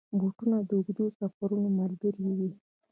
بوټونه د اوږدو سفرونو ملګري وي.